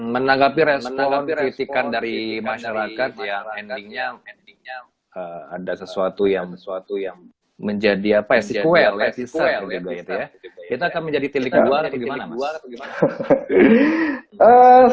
menanggapi respon kritikan dari masyarakat yang endingnya ada sesuatu yang menjadi apa ya sequel ya kita akan menjadi tilik bual atau gimana mas